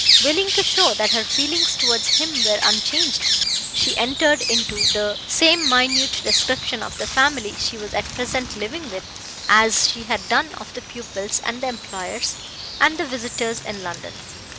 Willing to show that her feelings towards him were unchanged, she entered into the same minute description of the family she was at present living with as she had done of the pupils, and the employers, and the visitors in London.